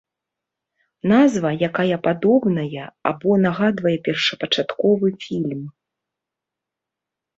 Назва, якая падобная або нагадвае першапачатковы фільм.